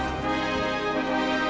adanya jah ocean